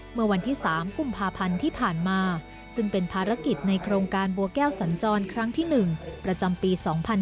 เมื่อวันที่๓กุมภาพันธ์ที่ผ่านมาซึ่งเป็นภารกิจในโครงการบัวแก้วสัญจรครั้งที่๑ประจำปี๒๕๕๙